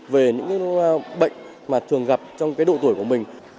về những bệnh mà thường gặp trong độ tuổi của mình